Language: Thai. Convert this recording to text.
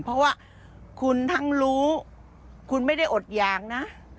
เพราะว่าคุณทั้งรู้คุณไม่ได้อดยางนะ